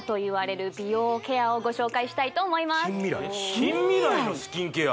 近未来のスキンケア？